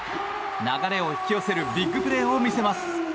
流れを引き寄せるビッグプレーを見せます。